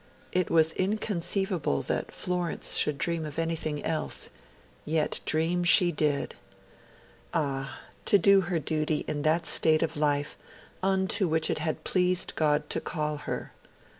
It was inconceivable that Florence should dream of anything else; yet dream she did. Ah! To do her duty in that state of life unto which it had pleased God to call her!